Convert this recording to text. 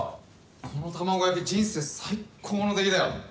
この卵焼き人生最高の出来だよ。